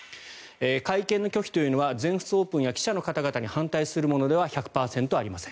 会見拒否というのは全仏オープンや記者の方々に反対するものでは１００％ありません。